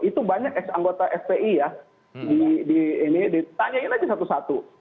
itu banyak anggota spi ya ditanyakan satu satu